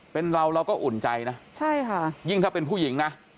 เป็นเราเราก็อุ่นใจนะใช่ค่ะยิ่งถ้าเป็นผู้หญิงนะ